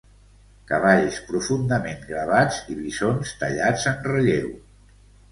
Cavalls profundament gravats i bisons tallats en relleu.